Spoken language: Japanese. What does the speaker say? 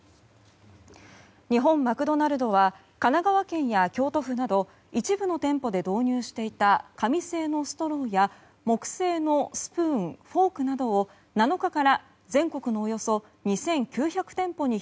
日本マクドナルドは神奈川県や京都府など一部の店舗で導入していた紙製のストローや木製のスプーン・フォークなどを７日から全国のおよそ２９００店舗に